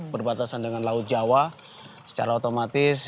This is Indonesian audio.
berbatasan dengan laut jawa secara otomatis